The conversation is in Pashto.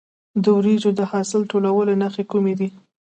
د وریجو د حاصل ټولولو نښې کومې دي؟